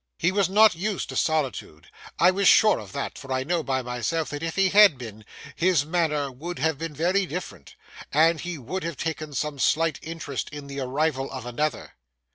He was not used to solitude. I was sure of that; for I know by myself that if he had been, his manner would have been different, and he would have taken some slight interest in the arrival of another.